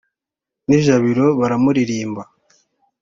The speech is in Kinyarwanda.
n' i jabiro baramuririmba.